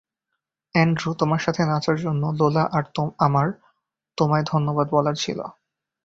Andrew, তোমার সাথে নাচার জন্য লোলা আর আমার তোমায় ধন্যবাদ বলার ছিল।